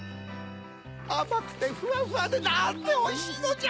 あまくてふわふわでなんておいしいのじゃ！